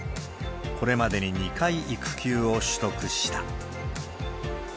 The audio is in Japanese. これまでに２回育休を取得した。